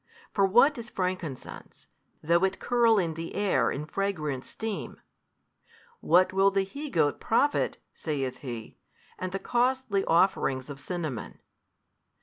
For what is frankincense, though it curl in the air in fragrant steam, what will the he goat profit (saith He) and the costly offerings of cinnamon?